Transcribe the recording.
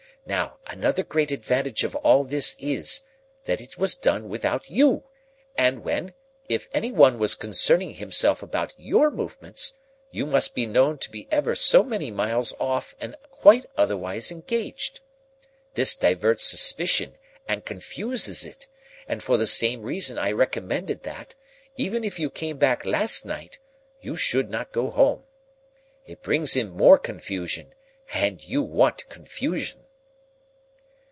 Now, another great advantage of all this is, that it was done without you, and when, if any one was concerning himself about your movements, you must be known to be ever so many miles off and quite otherwise engaged. This diverts suspicion and confuses it; and for the same reason I recommended that, even if you came back last night, you should not go home. It brings in more confusion, and you want confusion."